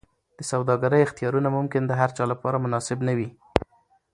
د سوداګرۍ اختیارونه ممکن د هرچا لپاره مناسب نه وي.